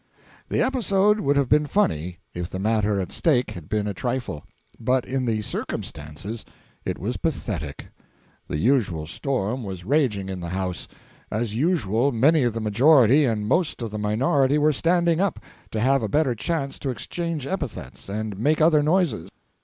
The episode would have been funny if the matter at stake had been a trifle; but in the circumstances it was pathetic. The usual storm was raging in the House. As usual, many of the Majority and the most of the Minority were standing up to have a better chance to exchange epithets and make other noises.